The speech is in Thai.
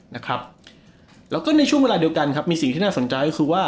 นะครับแล้วก็ในช่วงเวลาเดียวกันครับมีสิ่งที่น่าสนใจก็คือว่า